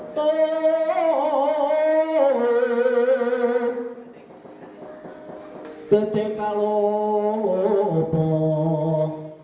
kisah kisah yang terakhir